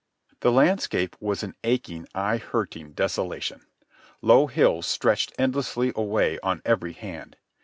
The landscape was an aching, eye hurting desolation. Low hills stretched endlessly away on every hand.